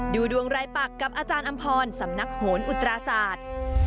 ดูดวงรายปักกับอาจารย์อำพรสำนักโหนอุตราศาสตร์